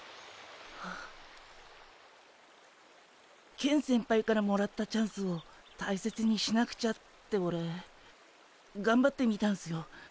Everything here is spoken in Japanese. ケン先輩からもらったチャンスを大切にしなくちゃってオレがんばってみたんすよ。